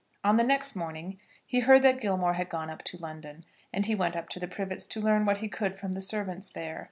On the next morning he heard that Gilmore had gone up to London, and he went up to the Privets to learn what he could from the servants there.